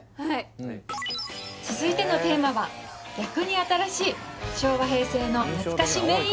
はい続いてのテーマは逆に新しい昭和・平成の懐かし名